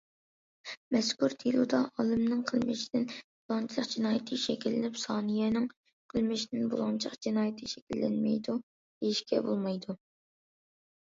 مەزكۇر دېلودا ئالىمنىڭ قىلمىشىدىن بۇلاڭچىلىق جىنايىتى شەكىللىنىپ، سانىيەنىڭ قىلمىشىدىن بۇلاڭچىلىق جىنايىتى شەكىللەنمەيدۇ، دېيىشكە بولمايدۇ.